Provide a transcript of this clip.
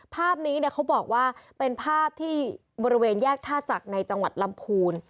ภาพนี้เนี่ยเขาบอกว่าเป็นภาพที่บริเวณแยกท่าจักรในจังหวัดลำพูน